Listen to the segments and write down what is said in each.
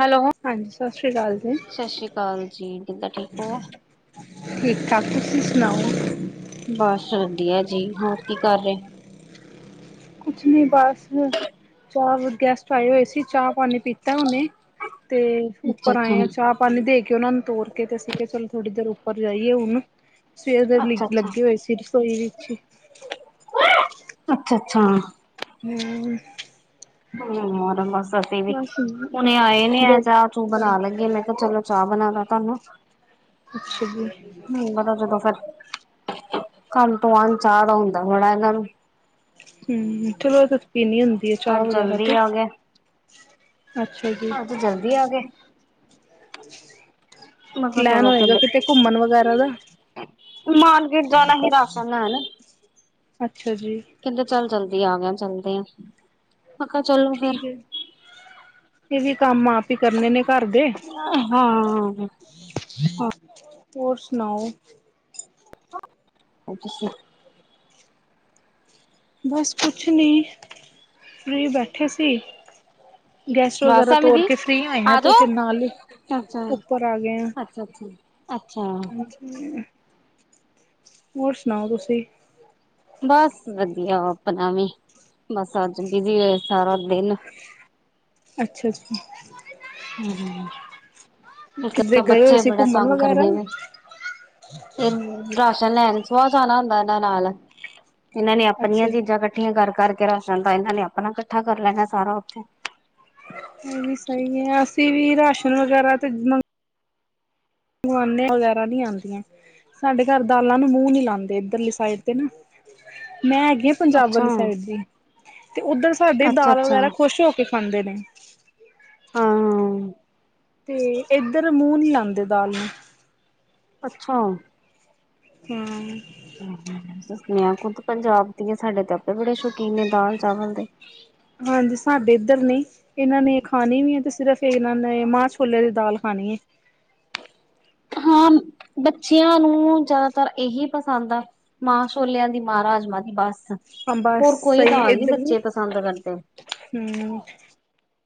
Hello. ਹਾਂਜੀ ਸਤਿ ਸ਼੍ਰੀ ਅਕਾਲ ਜੀ। ਸਤਿ ਸ਼੍ਰੀ ਅਕਾਲ ਜੀ, ਕਿੱਦਾਂ ਠੀਕ ਹੋ? ਠੀਕ ਠਾਕ ਤੁਸੀਂ ਸੁਣਾਓ? ਬਸ ਵਧੀਆ ਜੀ ਹੋਰ ਕੀ ਕਰ ਰਹੇ? ਕੁਛ ਨੀ ਬਸ, ਚਾਹ ਗੈਸਟ ਆਏ ਹੋਏ ਸੀ ਚਾਹ ਪਾਣੀ। ਪੀਤਾ ਉਹਨੇ ਤੇ ਅੱਛਾ-ਅੱਛਾ। ਉੱਪਰ ਆਏ ਆ ਚਾਹ ਪਾਣੀ ਦੇ ਕੇ। ਕਿ ਉਹਨਾ ਨੂੰ ਤੋਰ ਕੇ ਤੇ ਅਸੀਂ ਕਿਹਾ ਚਲੋ ਥੋੜ੍ਹੀ ਦੇਰ ਉੱਪਰ ਜਾਈਏ ਹੁਣ। ਸਵੇਰ ਦੇ ਲ ਅੱਛਾ-ਅੱਛਾ, ਲੱਗੇ ਹੋਏ ਸੀ ਰਸੋਈ ਵਿੱਚ ਹੀ। ਹਾਂ। ਹਮ। ਹਮ ਬਸ ਅਸੀਂ ਵੀ ਬਸ ਹੁਣੇ ਆਏ ਨੇ ਗ ਏਹ ਚਾਹ ਚੂ ਬਣਾ ਲੈਨੇ ਮੈਂ ਕਿਹਾ ਚਲੋ। ਚਾਹ ਬਣਾਦਾ ਤੁਹਾਨੂੰ ਅੱਛਾ ਜੀ ਹਮ ਪਤਾ ਜਦੋਂ ਫਿਰ। ਕੰਮ ਤੋਂ ਆਣ ਚਾਹ ਦਾ ਹੁੰਦਾ ਹੈ ਬੜਾ ਇਹਨਾਂ ਨੂੰ। ਹਮ ਚਲੋ ਇਹ ਪੀਣੀ ਹੁੰਦੀ ਆ ਚਾਹ ਅੱਜ ਵਗੈਰਾ ਜਲਦੀ ਤੇ। ਆ ਗਏ, ਅੱਛਾ ਜੀ ਅੱਜ ਜਲਦੀ ਆ ਗਏ। ਪਲੈਨ ਹੋਏਗਾ ਕਿਤੇ ਘੁੰਮਣ ਵਗੈਰਾ? ਦਾ ਹੁਣ ਮਾਰਕੀਟ ਜਾਣਾ ਸੀ ਰਾਸ਼ਨ ਲੈਣ। ਅੱਛਾ ਜੀ ਕਹਿੰਦੇ ਚੱਲ ਜਲਦੀ ਆ ਗਿਆ ਚੱਲ। ਮੈਂ ਕਿਹਾ ਚਲੋ ਫੇਰ। ਤੁਸੀਂ ਕੰਮ ਆਪ ਹੀ ਕਰਨੇ ਨੇ। ਘਰ ਦੇ ਹਾਂ। ਹੋਰ ਸੁਣਾਓ? ਹ ਤੁਸੀ। ਬਸ ਕੁਛ ਨੀ ਫਰੀ ਬੈਠੇ ਸੀ। ਗੈਸਟ ਵਗੈਰਾ ਰਾਜਸਥਾਨ ਤੋਰ ਦੀ ਕੇ ਫਰੀ ਹੋਏ ਆ ਆਜੋ ਤੇ ਫਿਰ ਨਾਲ ਹੀ ਅੱਛਾ ਅੱਛਾ ਉੱਪਰ ਆ ਗਏ ਆ। ਅੱਛਾ ਅੱਛਾ ਜੀ। ਹੋਰ ਸੁਣਾਓ ਤੁਸੀਂ? ਬਸ ਵਧੀਆ ਆਪਣਾ ਵੀ। ਬਸ ਅੱਜ ਕੀ ਜੀ ਸਾਰਾ ਦਿਨ ਅੱਛਾ-ਅੱਛਾ। ਹੂੰ, ਇੱਕ ਕਿੱਧਰੇ ਤਾਂ ਗਏ ਹੋਏ ਬੱਚੇ ਸੀ ਬੜਾ ਘੁੰਮਣ ਤੰਗ ਵਗੈਰਾ ਕਰਦੇ ਨੇ। [unintelligible] [unintelligible] ਸੁਆਹ ਜਾਣਾ ਹੁੰਦਾ ਇਹਨਾਂ ਨਾਲ ਇਹਨਾਂ ਨੇ ਆਪਣੀਆਂ ਅੱਛਾ ਜੀ ਚੀਜ਼ਾਂ ਇਕੱਠੀਆਂ ਕਰ-ਕਰ ਕਿ ਰਾਸ਼ਨ ਤਾਂ ਇਹਨਾਂ ਨੇ ਆਪਣਾ ਇਕੱਠਾ ਕਰ ਲੈਣਾ ਸਾਰਾ ਉੱਥੇ। ਇਹ ਵੀ ਸਈ ਐ ਅਸੀਂ ਵੀ ਰਾਸ਼ਨ ਵਗੈਰਾ ਤੇ ਮੰ [unintelligible] ਵਗੈਰਾ ਨਹੀਂ ਆਂਦੀਆਂ। ਸਾਡੇ ਘਰ ਦਾਲਾਂ ਨੂੰ ਮੂੰਹ ਨੀ ਲਾਂਦੇ ਇੱਧਰਲੀ ਸਾਈਡ ਤੇ ਨਾ। ਮੈਂ ਹੈਗੀ ਆ ਪੰਜਾਬ ਅੱਛਾ ਵਾਲੀ ਸਾਈਡ ਦੀ। ਤੇ ਉੱਧਰ ਸਾਡੀ ਅੱਛਾ ਦਾਲ ਅੱਛਾ ਵਗੈਰਾ ਖ਼ੁਸ਼ ਹੋ ਕੇ ਖਾਂਦੇ ਨੇ। ਹੂੰ, ਤੇ ਇੱਧਰ ਮੂੰਹ ਨੀ ਲਾਂਦੇ ਦਾਲ ਨੂੰ। ਅੱਛਾ। ਹੂੰ। [unintelligible] ਖੁਦ ਪੰਜਾਬ ਦੀਆਂ ਸਾਡੇ ਤਾਂ ਆਪੇ ਬੜੇ ਸ਼ੌਕੀਨ ਨੇ ਦਾਲ ਚਾਵਲ ਦੇ। ਹਾਂਜੀ, ਸਾਡੇ ਇੱਧਰ ਨੇ ਇਹਨਾਂ ਨੇ ਖਾਣੀ ਵੀ ਐ ਤੇ ਸਿਰਫ ਇਹਨਾਂ ਨੇ ਮਾਂ ਛੋਲੇ ਦੀ ਦਾਲ ਖਾਣੀ। ਐ। [unintelligible] ਹਾਂ, ਬੱਚਿਆਂ ਨੂੰ ਜ਼ਿਆਦਾਤਰ ਇਹੀ ਪਸੰਦ ਆ ਮਾਂ ਛੋਲਿਆਂ ਦੀ ਮਾਰਾਜ ਬਾਕੀ ਬਸ, ਹਾਂ ਬਸ ਹੋਰ ਕੋਈ ਸਹੀ ਦਾਲ ਨੀ ਇੱਧਰ ਵੀ ਬੱਚੇ ਪਸੰਦ ਕਰਦੇ। ਹੂੰ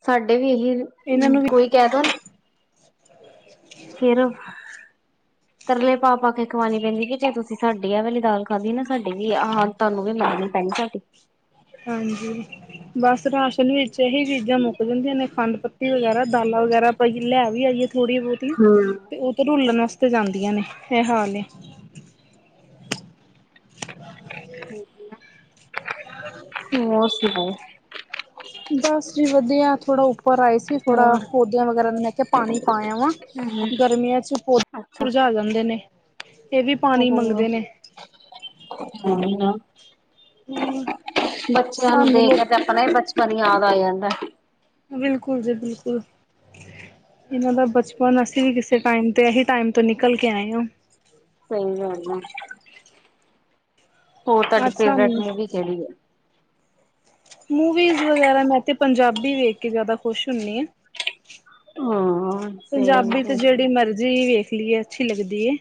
ਸਾਡੇ ਵੀ ਇਹਨਾਂ ਇਹੀ ਨੂੰ ਵੀ ਕੋਈ ਕਹਿ ਦੋ ਨਾ। ਤਰਲੇ ਪਾ-ਪਾ ਕੇ ਖਵਾਣੀ ਪੈਂਦੀ ਕਿ ਜੇ ਤੁਸੀਂ ਸਾਡੀ ਆ ਵੇਲੀ ਦਾਲ ਖਾਧੀ ਨਾ ਸਾਡੀ ਵੀ ਆਹ ਤੁਹਾਨੂੰ [unintelligible] ਪੈਣੀ ਸਾਡੀ, ਹਾਂਜੀ, ਬਸ ਰਾਸ਼ਨ ਵਿੱਚ ਇਹੀ ਚੀਜ਼ਾਂ ਮੁੱਕ ਜਾਂਦੀਆਂ ਨੇ ਖੰਡ ਵਗੈਰਾ ਦਾਲਾਂ ਵਗੈਰਾ ਪਾਈਏ ਲੈ ਵੀ ਆਈਏ ਥੋੜੀ ਬਹੁਤੀ ਹਮ ਤੇ ਉਹ ਤੇ ਰੁਲਣ ਵਾਸਤੇ ਤੇ ਜਾਂਦੀਆਂ ਨੇ ਇਹ ਹਾਲ ਐ। ਹਾਂਜੀ, ਹੂੰ [unintelligible] [unintelligible] ਥੋੜਾ ਉਪਰ ਆਏ ਸੀ ਥੋੜਾ ਹੋਰ ਪੌਦਿਆਂ ਵਗੈਰਾ ਨੂੰ ਲੈ ਕੇ ਪਾਣੀ ਪਾਇਆ ਵਾ ਹਮ ਗਰਮੀਆਂ ਚ ਪੌ ਅੱਛਾ ਮੁਰਝਾ ਜਾਂਦੇ ਨੇ। ਇਹ ਵੀ ਪਾਣੀ ਉਹ ਮੰਗਦੇ ਨੇ [unintelligible] ਹੋਰ ਬੱਚਿਆਂ ਨੂੰ ਸਾਨੂੰ ਦੇਖ ਲੋਕ ਕੇ ਤੇ ਆਪਣਾ ਹੀ ਬਚ ਪਣ ਯਾਦ ਆ ਜਾਂਦਾ। ਬਿਲਕੁਲ ਜੀ ਬਿਲਕੁਲ, ਇਹਨਾਂ ਦਾ ਬਚਪਨ ਹੁਣ ਅਸੀਂ ਵੀ ਕਿਸੇ ਟਾਈਮ ਤੇ ਅਸੀ ਟਾਈਮ ਤੋਂ ਨਿਕਲ ਕੇ ਆਏ ਆ। ਸਹੀ ਗੱਲ ਐ। ਹੋਰ ਤੁਹਾਡੀ ਅੱਜ ਫੇਵਰੇਟ ਸਾਨੂੰ ਮੂਵੀ ਕਿਹੜੀ ਐ? ਮੂਵੀਜ਼ ਵਗੈਰਾ ਮੈਂ ਤੇ ਪੰਜਾਬੀ ਵੇਖ ਕੇ ਜ਼ਿਆਦਾ ਖੁਸ਼ ਹੁੰਨੀ ਆ। ਹਾਂ ਸੇਮ ਪੰਜਾਬੀ ਟੂ ਤੇ ਜਿਹੜੀ ਮਰਜ਼ੀ ਵੇਖ ਲਈਏ ਅੱਛੀ ਲੱਗਦੀ।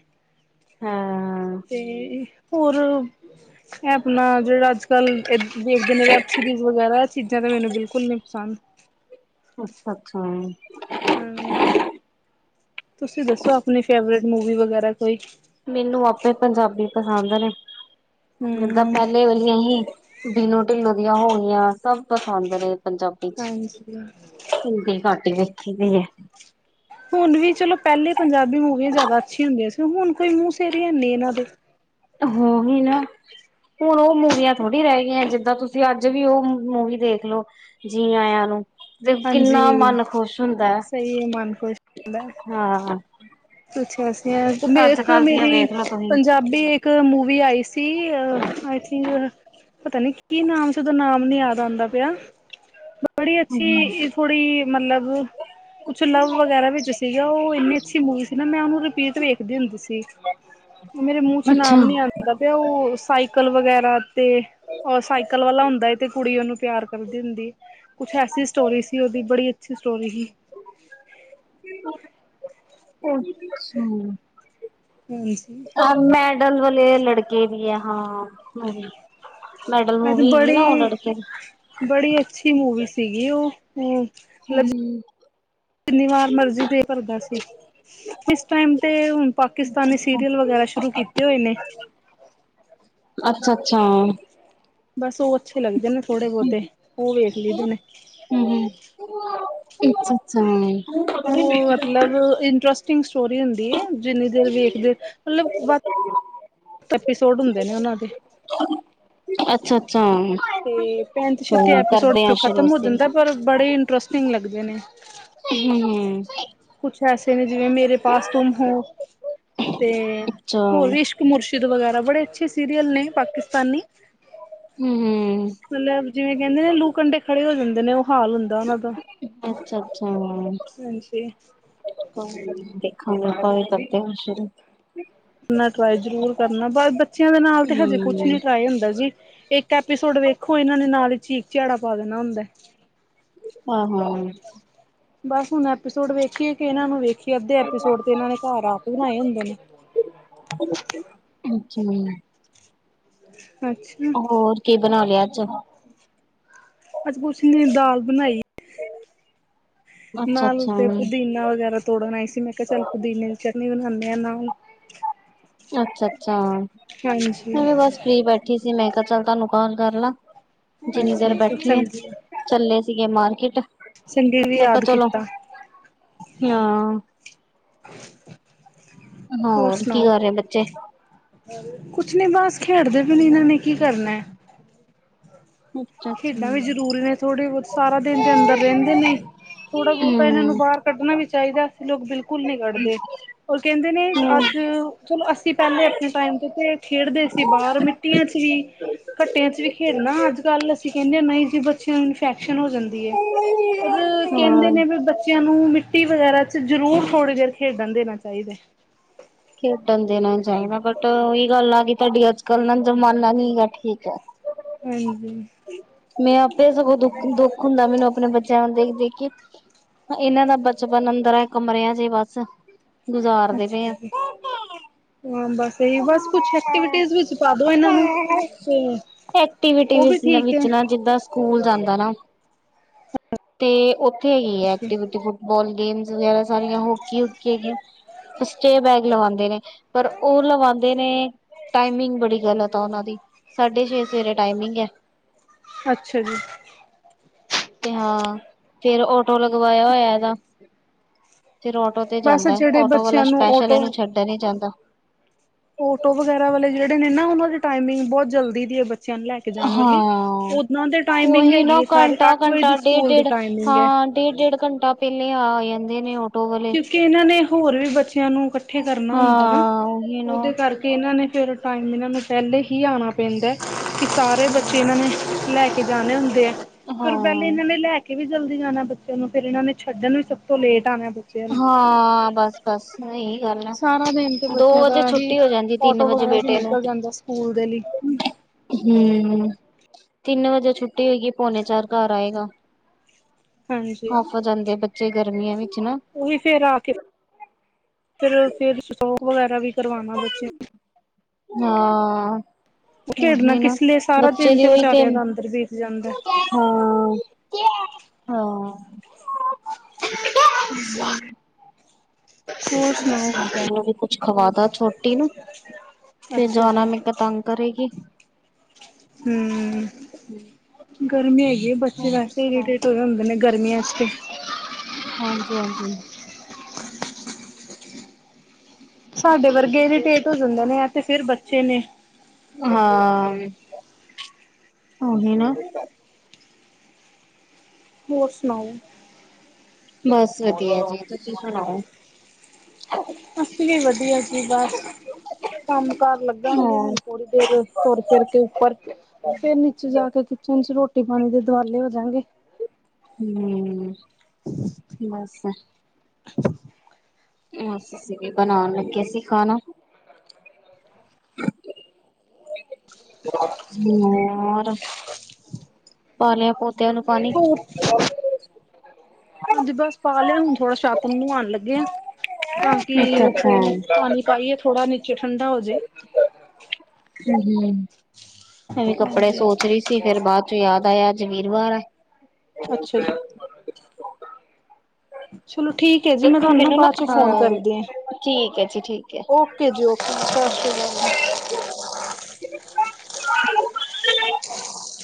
ਹਾਂ, ਤੇ ਹੋਰ ਐ ਆਪਣਾ ਜਿਹੜਾ ਅੱਜ ਕੱਲ ਦੇਖਦੇ ਨੇ ਵੈਬ ਸੀਰੀਜ਼ ਵਗੈਰਾ ਚੀਜ਼ਾਂ ਤਾਂ ਮੈਨੂੰ ਬਿਲਕੁਲ ਨੀ ਪਸੰਦ। ਅੱਛਾ-ਅੱਛਾ, ਹੂੰ, ਤੁਸੀਂ ਦੱਸੋ ਆਪਣੀ ਫੇਵਰੇਟ ਮੂਵੀ ਵਗੈਰਾ। ਕੋਈ ਮੈਨੂੰ ਆਪੇ ਪੰਜਾਬੀ ਪਸੰਦ ਨੇ ਜਿੱਦਾਂ ਹਮ ਪਹਿਲੇ ਵਾਲੀਆਂ ਹੀ। ਬਿਨੂੰ ਢਿੱਲੋਂ ਦੀਆਂ ਹੋ ਗਈਆਂ ਸਭ ਪਸੰਦ ਨੇ। ਪੰਜਾਬੀ ਚ ਹਾਂਜੀ ਹਿੰਦੀ ਘੱਟ ਹੀ ਵੇਖੀ ਦੀ ਐ। ਹੁਣ ਵੀ ਚਲੋ ਤੇ ਹੁਣ ਕੋਈ ਮੂੰਹ ਸਿਰ ਹੈਨੀ ਇਹਨਾਂ ਦੇ ਓਹੀ ਨਾ ਹੁਣ ਉਹ ਮੂਵੀਆਂ ਥੋੜ੍ਹੀ ਰਹਿ ਗਈਆਂ ਜਿੱਦਾਂ ਤੁਸੀਂ ਅੱਜ ਵੀ ਉਹ ਮੂਵੀ ਦੇਖ ਲੋ ਜੀ ਆਇਆ ਨੂੰ। ਤੇ ਹਾਂਜੀ ਕਿੰਨਾ ਮਨ ਖੁਸ਼ ਹੁੰਦਾ ਸਹੀ ਹੈ ਮਨ ਹਾਂ। ਪੁੱਛਿਆ ਸੀ ਮੈਂ ਅੱਜ ਇੱਕ ਕੱਲ ਦੀਆਂ ਮੇਰੀ ਵੇਖਲੋ ਤੁਸੀਂ ਪੰਜਾਬੀ ਇੱਕ ਮੂਵੀ ਆਈ ਸੀ ਆਈ ਥਿੰਕ ਪਤਾ ਨੀ ਕੀ ਨਾਮ ਸੀ ਉਦੋਂ ਨਾਮ ਨੀ ਯਾਦ ਆਂਦਾ ਪਿਆ ਬੜੀ ਅਸੀ ਥੋੜ੍ਹੀ ਮਤਲਬ ਕੁਛ ਲਵ ਵਗੈਰਾ ਵਿੱਚ ਸੀਗਾ ਉਹ ਇੰਨੀ ਅੱਛੀ ਮੂਵੀ ਸੀ ਨਾ ਮੈਂ ਉਹਨੂੰ ਰਿਪੀਟ ਵੇਖਦੀ ਹੁੰਦੀ ਸੀ। ਮੇਰੇ ਮੂੰਹ ਚ ਨਾਮ ਅੱਛਾ ਨੀ ਆਂਦਾ ਪਿਆ ਉਹ ਸਾਈਕਲ ਵਗੈਰਾ ਤੇ ਸਾਈਕਲ ਵਾਲਾ ਹੁੰਦਾ। ਤੇ ਕੁੜੀ ਉਹਨੂੰ ਪਿਆਰ ਕਰਦੀ ਹੁੰਦੀ ਕੁਛ ਐਸੀ ਸਟੋਰੀ ਸੀ ਉਹਦੀ ਬੜੀ ਅੱਛੀ ਸਟੋਰੀ ਸੀ। ਅੱਛਾ, [inaudible] [unintelligible] ਵਾਲੇ ਲੜਕੇ ਵੀ ਆ ਹਾਂ ਮੂਵੀ। ਮੈਡਲ ਮੈਂ ਮੂਵੀ ਹੈਗੀ ਨਾ ਉਹ ਬੜੀ ਲੜਕੇ ਦੀ ਬੜੀ ਅੱਛੀ ਮੂਵੀ ਸੀਗੀ ਓ ਹੂੰ, ਜਿੰਨੀ ਵਾਰ ਮਰਜੀ ਦਿਲ ਭਰਦਾ ਸੀ ਇਸ ਟਾਈਮ ਤੇ ਹੁਣ ਪਾਕਿਸਤਾਨੀ ਸੀਰੀਅਲ ਵਗੈਰਾ ਸ਼ੁਰੂ ਕੀਤੇ ਹੋਏ ਨੇ। ਅੱਛਾ-ਅੱਛਾ, ਬਸ ਉਹ ਅੱਛੇ ਲੱਗਦੇ ਨੇ ਥੋੜੇ ਬਹੁਤੇ ਉਹ ਵੇਖ ਲਈ ਦੇ ਨੇ। ਅੱਛਾ-ਅੱਛਾ, ਉਹ ਮਤਲਬ ਇੰਟਰਸਟ ਇੰਟਰਸਟਿੰਗ ਸਟੋਰੀ ਹੁੰਦੀ ਆ, ਜਿੰਨੀ ਦੇਰ ਵੇਖਦੇ ਮਤਲਬ ਐਪੀਸੋਡ ਹੁੰਦੇ ਨੇ ਉਹਨਾਂ ਦੇ। ਅੱਛਾ-ਅੱਛਾ, ਤੇ ਪੈਂਤੀ ਛੱਤੀ ਐਪੀਸੋਡ ਸ਼ੁਰੂ ਖਤਮ ਹੋ ਅਸੀਂ ਜਾਂਦਾ ਪਰ ਬੜੇ ਇੰਟਰਸਟਿੰਗ ਲੱਗ ਹੂੰ-ਹੂੰ, ਕੁਛ ਐਸੇ ਨੇ ਜਿਵੇਂ ਮੇਰੇ ਪਾਸ ਤੁਮ ਹੋ ਤੇ ਅੱਛਾ ਹੋਰ ਇਸ਼ਕ ਮੁਰਸ਼ਿਦ ਵਗੈਰਾ ਬੜੇ ਅੱਛੇ ਸੀਰੀਅਲ ਨੇ ਪਾਕਿਸਤਾਨੀ। ਹਮ ਮਤਲਬ ਜਿਵੇਂ ਕਹਿੰਦੇ ਨੇ ਲੂ ਕੰਢੇ ਖੜੇ ਹੋ ਜਾਂਦੇ ਨੇ ਉਹ ਹਾਲ ਹੁੰਦਾ ਉਹਨਾਂ ਦਾ ਹਮ ਅੱਛਾ ਹਾਂਜੀ, ਦੇਖਾ ਮੈਂ ਤਾਂ ਕਰਦੇ ਹੋਏ ਸ਼ੁਰੂ ਆਪਣਾ ਟਰਾਈ ਜ਼ਰੂਰ ਕਰਨਾ ਬਸ ਬੱਚਿਆਂ ਦੇ ਨਾਲ ਤੇ ਹਜੇ ਕੁਛ ਨੀ ਟਰਾਈ ਹੁੰਦਾ ਜੀ ਇੱਕ ਐਪੀਸੋਡ ਵੇਖੋ ਇਹਨਾਂ ਨੇ ਨਾਲ ਹੀ ਝੀਕ ਝਿਆੜਾ ਪਾ ਦੇਣਾ ਹੁੰਦਾ। ਹਾਂ-ਹਾਂ, ਬਸ ਹੁਣ ਐਪੀਸੋਡ ਵੇਖੀਏ ਕਿ ਇਹਨਾਂ ਨੂੰ ਵੇਖੀਏ ਅੱਧੇ ਐਪੀਸੋਡ ਤੇ ਇਹਨਾਂ ਨੇ ਘਰ ਆਪ ਬਣਾਏ ਹੁੰਦੇ ਨੇ। ਜੀ। [unintelligible] ਹੋਰ ਕੀ ਬਣਾ ਲਿਆ ਅੱਜ। ਅੱਜ ਕੁਛ ਨੀ ਦਾਲ ਬਣਾਈ। ਅੱਛਾ ਨਾਲ ਅੱਛਾ ਤੇ ਪੁਦੀਨਾ ਵਗੈਰਾ ਤੋੜਨ ਆਈ ਸੀ ਮੈਂ ਕਿਹਾ ਚੱਲ ਪੁਦੀਨੇ ਦੀ ਚਟਨੀ ਬਣਾਣੇ। ਆ ਨਾਲ। ਅੱਛਾ-ਅੱਛਾ, ਹਾਂਜੀ, ਨਹੀਂ ਮੈਂ ਵੀ ਬਸ ਫ੍ਰੀ ਬੈਠੀ ਸੀ ਮੈਂ ਕਿਹਾ ਚੱਲ ਤੁਹਾਨੂੰ ਕਾਲ ਕਰਲਾ। ਜਿੰਨੀ ਦੇਰ ਅੱਛਾ-ਅੱਛਾ ਬੈਠੀ ਆ ਚੰਗੀ ਚੱਲੇ ਸੀਗੇ ਮਾਰਕੀਟ। ਚੰਗੇ ਵੀ ਮੈਂ ਕਿਹਾ ਯਾਦ ਚਲੋ। ਕੀਤਾ, ਹਾਂ, ਹੋਰ ਕੀ ਕਰ ਰਹੇ ਬੱਚੇ ਕੁਛ ਨੀ ਬਸ ਖੇਡਦੇ ਵੀ ਨ ਇਹਨਾਂ ਨੇ ਕੀ ਕਰਨਾ ਹੈ। ਖੇਡਾਂ ਵੀ ਹਮ ਜ਼ਰੂਰੀ ਨੇ ਥੋੜ੍ਹੇ ਬਹੁਤ ਸਾਰਾ ਦਿਨ ਦੇ ਅੰਦਰ ਰਹਿੰਦੇ ਨੇ। ਥੋੜਾ- ਬਹੁਤਾ ਇਹਨਾਂ ਨੂੰ ਬਾਹਰ ਕੱਢਣਾ ਵੀ ਚਾਹੀਦਾ ਅਸੀਂ ਲੋਕ ਬਿਲਕੁਲ ਨਹੀਂ ਕੱਢਦੇ। ਉਹਰ ਕਹਿੰਦੇ ਨੇ, ਹਾਂ ਅੱਜ ਚਲੋ, ਅਸੀਂ ਪਹਿਲੇ ਆਪਣੇ ਟਾਈਮ ਖੇਡਦੇ ਸੀ। ਬਾਹਰ ਮਿੱਟੀਆਂ ਚ ਵੀ ਘੱਟਿਆਂ ਚ ਵੀ ਖੇਡ ਨਾ ਅੱਜ ਕੱਲ ਅਸੀਂ ਕਹਿੰਦੇ ਹ ਨਹੀਂ ਜੀ ਬੱਚਿਆਂ ਨੂੰ ਇਨਫੈਕ ਹੋ ਜਾਂਦੀ ਹੈ। ਰ ਕਹਿੰਦੇ ਨੇ ਵੀ ਬੱਚਿਆਂ ਨੂੰ ਨੂੰ ਮਿੱਟੀ ਵਗੈਰਾ ਚ ਜ਼ਰੂਰ ਥੋੜ੍ਹੇ ਜਰ ਖੇਡਣ ਦੇਣਾ ਚਾਹੀਦਾ। ਖੇਡਣ ਦੇਣਾ ਚਾਹੀਦਾ ਬਟ ਉਹੀ ਗੱਲ ਆ ਗਈ ਤੁਹਾਡੀ ਅੱਜ ਕਲ ਨਾ ਜ਼ਮਾਨਾ ਨ ਹੈ। ਠੀਕ ਹੈ। ਹਾਂਜੀ। ਮੈਂ ਆਪੇ ਸਗੋਂ ਦੁੱਖ- ਦੁੱਖ ਹੁੰਦਾ। ਮੈਨੂੰ ਆਪਣੇ ਬੱਚਿਆਂ ਨੂੰ ਦੇਖ- ਦੇਖ ਇਹਨਾਂ ਦਾ ਬਚਪਨ ਅੰਦਰ ਹੈ ਕਮਰਿਆਂ ਜ ਬਸ ਗੁਜ਼ਾਰਦੇ ਪਏ ਅੱਛਾ ਆ ਜੀ। ਹਾਂ, ਬਸ ਤੇ ਬਸ ਕੁਛ ਐਕਟੀਵਿਟੀ ਵਿੱਚ ਪਾ ਦੋ ਇਹਨਾਂ ਨੂੰ ਤੇ ਐਕਟੀਵਿਟੀ ਉਹ ਵੀ ਠੀਕ ਵਿੱਚ ਹੈ ਨਾ ਜਿੱਦਾਂ ਸਕੂਲ ਜਾਂਦਾ ਨਾ ਤੇ ਉੱਥੇ ਹੈਗੀ ਹੈ। ਐਕਟੀਵਿਟੀ ਫੁੱਟਬਾਲ ਗੇਮ ਵਗੈਰਾ ਸਾਰੀਆਂ ਹੋਕੀ- ਹਕੀ ਹੈਗੀ ਸਟੇ ਬੈਗ ਲਵਾਉਂਦੇ ਨੇ। ਪਰ ਉਹ ਲਵਾਉਂਦੇ ਨੇ ਟਾਈਮਿੰਗ ਬੜੀ ਗ਼ਲਤ ਆ ਉਹ ਦੀ ਸਾਢੇ ਛੇ ਸਵੇਰੇ ਟਾਈਮਿੰਗ। ਅੱਛਾ ਜੀ। ਤੇ ਹਾਂ, ਫੇਰ ਟੋ ਲਗਵਾਇਆ ਹੋਇਆ ਇਹਦਾ। ਫਿਰ ਆੱਟੋ ਤੇ ਬਸ ਜਾਂਦਾ। ਜਿਹੜੇ ਆੱਟੋ ਵਾਲਾ ਬੱਚਿਆਂ ਨੂੰ ਸਪੈਸ਼ਲ ਇਹਨੂੰ ਛੱਡ ਨੀ ਜਾਂਦਾ। ਫੋਟੋ ਵਗੈਰਾ ਵਾਲੇ ਜਿਹੜੇ ਨੇ ਨਾ ਉਹਨਾਂ ਦੀ ਟਾਈਮਿੰਗ ਬਹੁਤ ਜਲਦੀ ਦੀ ਹੈ। ਬ ਬਚਿਆਂ ਨੂੰ ਲੈ ਕੇ ਜਾਣ ਵਾਲੀ ਹਾਂ ਓਦਨਾਂ ਦੇ ਟਾਈਮਿੰਗ ਉਹੀ ਹੈਗੀ ਨਾ ਹੈ। ਸਾਡੇ ਘੰਟਾ ਅੱਠ ਵਜੇ ਦੀ ਘੰਟਾ ਡੇਢ ਸਕੂਲ ਦੀ ਡੇਢ ਟਾਈਮਿੰਗ ਹੈ। ਹਾਂ ਡੇਢ -ਡੇਢ ਘੰਟਾ ਪਹਿਲੇ ਆ ਆ ਜਾਂਦੇ ਨੇ ਉਹ ਕਿਉਂਕਿ ਇਹਨਾਂ ਨੇ ਹੋਰ ਵੀ ਬੱਚਿਆਂ ਨੂੰ ਇਕੱਠੇ ਕਰਨਾ ਹੁੰਦਾ ਨਾ। ਹਾਂ ਉਹੀ ਨਾ ਉਹਦੇ ਕਰਕੇ ਇਹਨਾਂ ਨੇ ਫਿਰ ਟਾਈਮ ਇਹਨਾਂ ਨੂੰ ਪਹਿਲੇ ਹੀ ਆਉਣਾ ਪੈਂਦਾ। ਕਿ ਸਾਰੇ ਬੱਚੇ ਇਹਨਾਂ ਨੇ ਲੈ ਕੇ ਜਾਣੇ ਹੁੰਦੇ ਆ। ਫਿਰ ਪਹਿਲੇ ਹਾਂ ਇਹਨਾਂ ਨੇ ਲੈ ਕੇ ਵੀ ਜਲਦੀ ਜਾਣਾ ਬੱਚੇ ਨੂੰ ਫੇਿਰ ਇਹਨਾਂ ਨੇ ਛੱਡਣ ਵੀ ਸਭ ਤੋਂ ਲੇਟ ਆਉਣਾ। ਬੱਚਿਆਂ ਨੂੰ ਹਾਂ, ਬਸ -ਬੱਸ ਹੀ ਹਨਾ। ਸਾਰਾ ਦਿਨ ਤੇ ਦੋ ਬੱਚਿਆਂ ਵਜੇ ਦਾ ਇਹੀ ਛੁੱਟੀ ਹੋ ਜਾਂਦੀ, ਤਿੰਨ ਆਟੋ ਵਜੇ ਵਗੈਰਾ ਚ ਬੇਟੇ ਨੂੰ ਨਿਕਲ ਜਾਂਦਾ ਸਕੂਲ ਦੇ ਲਈ ਹੂੰ, ਤਿੰਨ ਵਜੇ ਛੁੱਟੀ ਹੋਏਗੀ, ਪੋਨੇ ਚਾਰ ਘਰ ਆਏਗਾ। ਹੱਫ ਜਾਂਦੇ ਬੱਚੇ ਗਰਮੀਆਂ ਵਿੱਚ ਨਾ ਓਈ ਫੇਰ ਆ ਕੇ ਫੇਰ, ਫੇਰ ਹੋਮਞਾਰਕ ਵਗੈਰਾ ਵੀ ਕਰਵਾਨਾ ਬੱਚਿਆ ਨੂੰ। ਹਾਂ। ਖੇਡਣਾ ਓਹੀ ਨਾ, ਕਿਸ ਲਈ ਸਾਰਾ ਬੱਚੇ ਦਿਨ ਵੀ ਉਈ ਤੇ, ਵਿਚਾਰਿਆਂ ਦਾ ਅੰਦਰ ਬੀਤ ਜਾਂਦਾ ਹਾਂ ਹਾਂ। ਹੋਰ ਸੁਣਾਓ [unintelligible] ਵੀ ਕੁਛ ਖਵਾਦਾ ਛੋਟੀ ਨੂੰ ਫੇਰ ਅੱਛਾ ਜਾਨਾ, ਮੈ ਕਾ ਤੰਗ ਕਰੇਗੀ। ਹੂੰ। [inaudible] ਗਰਮੀ ਹੈਗੀ ਏ। ਬੱਚੇ ਹੋਰ ਵੈਸੇ ਸੁਣਾ ਇਰੀਟੇਟ ਹੋਏ ਹੁੰਦੇ ਨੇ ਗਰਮੀਆਂ ਚ ਤੇ ਹਾਂਜੀ- ਹਾਂਜੀ। ਸਾਡੇ ਵਰਗੇ ਇਰੀਟੇਟ ਹੋ ਜਾਂਦੇ ਨੇ, ਐ ਤੇ ਫੇਰ ਬੱਚੇ ਨੇ। ਹਾਂ, ਓਹੀ ਨਾ ਹੋਰ ਸੁਨਾਓ? ਬਸ ਵਧਿਆ ਜੀ, ਤੁਸੀ ਸੁਣਾਓ? ਅਸੀਂ ਵੀ ਵਧੀਆ ਜੀ ਬਸ ਕੰਮ-ਕਾਰ ਲੱਗਾਂਗੇ ਹੁਨ ਹੋਰ ਥੋੜੀ ਦੇਰ ਤੁਰ-ਫੇਰ ਕੇ ਉੱਪਰ ਫੇਰ ਨੀਚੇ ਜਾ ਕੇ ਕਿਚਨ ਚ ਰੋਟੀ ਪਾਨੀ ਦੇ ਦਵਾਲੇ ਹੋਜਾਂਗੇ। ਹੂੰ, ਬਸ [inaudible] [unintelligible] ਬਣਾਨ ਲੱਗੇ ਸੀ ਖਾਣਾ। ਹੋਰ, ਪਾ ਲਿਆ ਪੌਦਿਆਂ ਨੂੰ ਪਾਣੀ ਹੋਰ ਹਾਂਜੀ, ਬੱਸ ਪਾ ਲਿਆ ਹੁਣ ਥੋੜਾ ਛੱਤ ਨੂੰ ਨੁਆਨ ਲੱਗੇ ਆਂ ਤਾਂ ਕਿ ਅੱਛਾ ਉੱਪਰੋ ਅੱਛਾ। ਪਾਣੀ ਪਾਈਏ, ਥੋੜਾ ਨੀਚੇ ਠੰਡਾ ਹੋਜੇ। [inaudible] ਹੂੰ, ਹੂੰ, ਹੂੰ, ਕੱਪੜੇ ਹਾਂਜੀ ਸੋਚ ਰੀ ਸੀ ਫੇਰ ਬਾਦ ਚੋ ਯਾਦ ਆਇਆ, ਅੱਜ ਵੀਰਵਾਰ ਆ। ਅੱਛਾ ਜੀ [inaudible] ਚਲੋ, ਠੀਕ ਐ ਜੀ। ਮੈਂ ਦੇਖੋ ਤੁਹਾਨੂੰ ਨਾ ਮੈਨੂੰ ਬਾਦ ਚ ਫੋਨ ਹਾਂ ਕਰਦੀ ਆਂ। ਠੀਕ ਹੈ ਜੀ ਠੀਕ ਹੈ। ਓਕੇ ਜੀ, ਓਕੇ [inaudible] [inaudible]